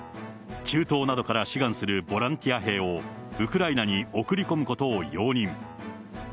中東などから志願するボランティア兵を、ウクライナに送り込むことを容認。